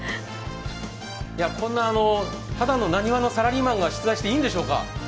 こんな、ただのなにわのサラリーマンが出演していいんでしょうか。